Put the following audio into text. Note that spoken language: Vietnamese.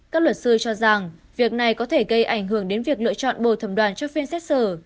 các luật sư cho rằng việc này có thể gây ảnh hưởng đến việc lựa chọn bồi thẩm đoàn cho phiên xét xử